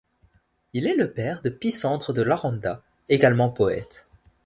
Il est le père de Pisandre de Laranda, également poète.